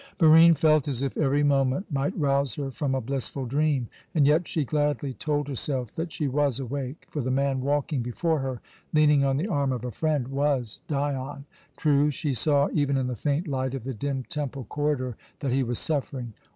Barine felt as if every moment might rouse her from a blissful dream, and yet she gladly told herself that she was awake, for the man walking before her, leaning on the arm of a friend, was Dion. True, she saw, even in the faint light of the dim temple corridor, that he was suffering.